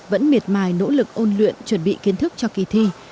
vẫn miệt mài nỗ lực ôn luyện chuẩn bị kiến thức cho kỳ thi